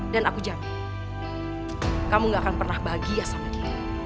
dan aku janji kamu nggak akan pernah bahagia sama dia